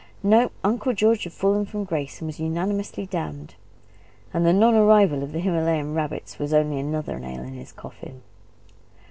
No: Uncle George had fallen from grace, and was unanimously damned. And the non arrival of the Himalayan rabbits was only another nail in his coffin.